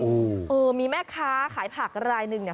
โอ้โหเออมีแม่ค้าขายผักรายหนึ่งเนี่ย